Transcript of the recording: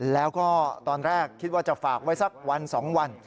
แล้วก็ตอนแรกคิดว่าจะฝากไว้สักวัน๒วัน